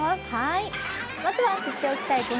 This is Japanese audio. まずは知っておきたい